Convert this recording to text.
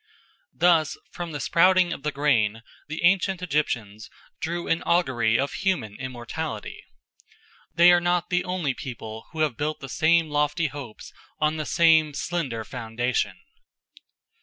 Thus from the sprouting of the grain the ancient Egyptians drew an augury of human immortality. They are not the only people who have built the same lofty hopes on the same slender foundation.